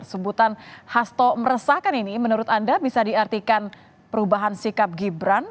sebutan hasto meresahkan ini menurut anda bisa diartikan perubahan sikap gibran